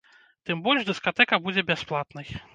Тым больш, дыскатэка будзе бясплатнай.